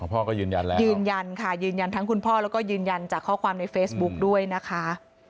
พ่อก็ยืนยันแล้วยืนยันค่ะยืนยันทั้งคุณพ่อแล้วก็ยืนยันจากข้อความในเฟซบุ๊กด้วยนะคะ